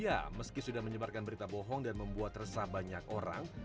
ya meski sudah menyebarkan berita bohong dan membuat resah banyak orang